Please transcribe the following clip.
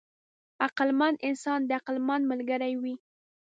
عقلمند انسان د عقلمند ملګری وي.